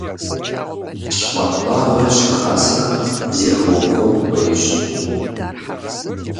ЩхъуантӀагъэр щыхасэхэм зегъэубгъун хуейщ.